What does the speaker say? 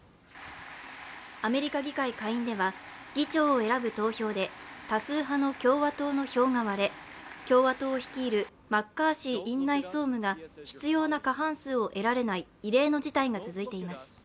アメリカ議会下院では議長を選ぶ投票で多数派の共和党の票が割れ、共和党を率いるマッカーシー院内総務が必要な過半数を得られない異例の事態が続いています。